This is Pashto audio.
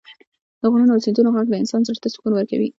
د غرونو او سیندونو غږ د انسان زړه ته سکون ورکوي.